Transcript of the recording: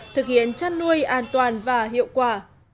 thực hiện chăn nuôi an toàn và hiệu quả